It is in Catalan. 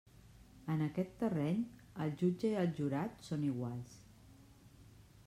En aquest terreny, el jutge i el jurat són iguals.